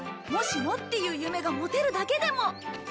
もしもっていう夢が持てるだけでも！